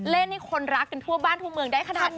เล่นให้คนรักกันทั่วบ้านทั่วเมืองได้ขนาดนี้